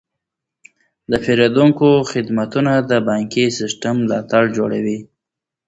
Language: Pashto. د پیرودونکو خدمتونه د بانکي سیستم ملا تیر جوړوي.